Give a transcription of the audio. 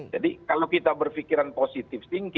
jadi kalau kita berpikiran positif